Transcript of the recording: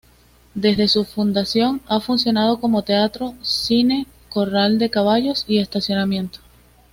Desde su fundación ha funcionado como teatro, cine, corral de caballos y estacionamiento.